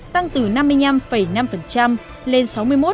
từ năm mươi năm năm lên sáu mươi một hai